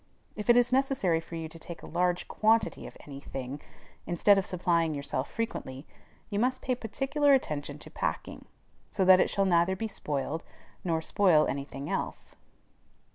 If it is necessary for you to take a large quantity of any thing, instead of supplying yourself frequently, you must pay particular attention to packing, so that it shall neither be spoiled, nor spoil any thing else.